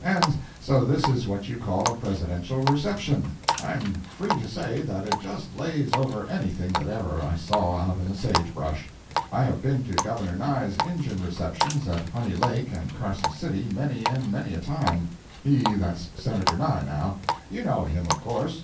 And so this is what you call a Presidential reception. I'm free to say that it just lays over anything that ever I saw out in the sage brush. I have been to Governor Nye's Injun receptions at Honey Lake and Carson City, many and many a time—he that's Senator Nye now—you know him, of course.